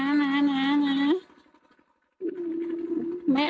ไม่เอาไม่ร้องไม่ร้องอบอุ่นตอนนั้น